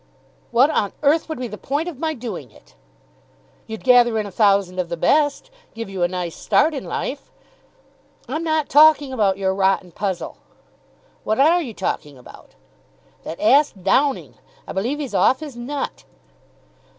"What on earth would be the point of my doing it?" "You'd gather in a thousand of the best. Give you a nice start in life." "I'm not talking about your rotten puzzle." "What are you talking about?" "That ass Downing. I believe he's off his nut."